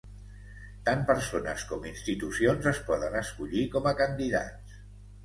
Tant persones com institucions es poden escollir com a candidats.